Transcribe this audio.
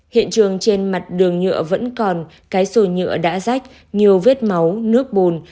hiện trường trên mặt đường nhựa vẫn còn cái sồi nhựa đã rách nhiều vết máu nước bùn